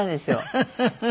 フフフフ！